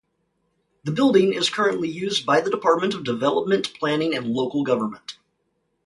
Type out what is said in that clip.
The building is currently used by the department of Development Planning and Local Government.